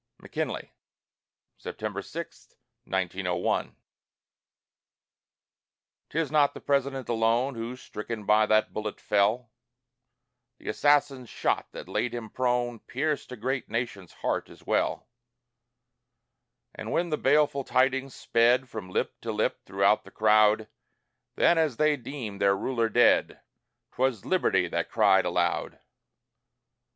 McKINLEY [September 6, 1901] 'Tis not the President alone Who, stricken by that bullet, fell; The assassin's shot that laid him prone Pierced a great nation's heart as well; And when the baleful tidings sped From lip to lip throughout the crowd, Then, as they deemed their ruler dead, 'Twas Liberty that cried aloud.